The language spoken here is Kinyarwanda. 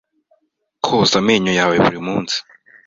Koza amenyo yawe buri munsi.